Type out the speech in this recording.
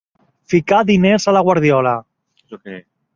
Ficar diners a la guardiola.